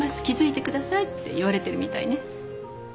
気付いてくださいって言われてるみたいね。